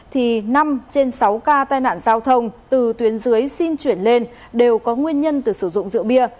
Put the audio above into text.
thì năm trên sáu ca tai nạn giao thông từ tuyến dưới xin chuyển lên đều có nguyên nhân từ sử dụng rượu bia